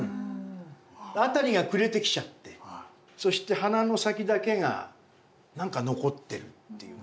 辺りが暮れてきちゃってそして鼻の先だけが何か残ってるっていう。